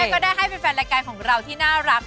ก็ได้ให้เป็นแฟนรายการของเราน่ารักนะคะ